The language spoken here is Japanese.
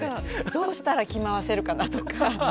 どうしたら着回せるかなとか。